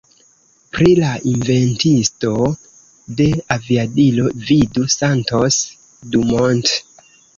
Pri la inventisto de aviadilo, vidu Santos Dumont.